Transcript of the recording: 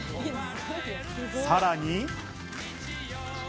さらに。